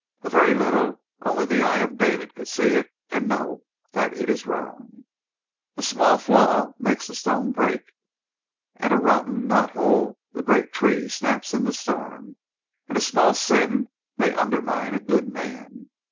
"A very little. Only the eye of David could see it and know that it is wrong!" "A small flaw makes the stone break. At a rotten knot hole the great tree snaps in the storm. And a small sin may undermine a good man.